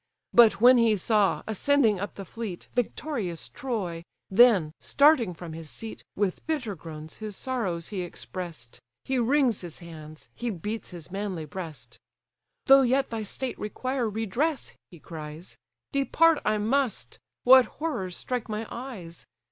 But when he saw, ascending up the fleet, Victorious Troy; then, starting from his seat, With bitter groans his sorrows he express'd, He wrings his hands, he beats his manly breast. "Though yet thy state require redress (he cries) Depart I must: what horrors strike my eyes!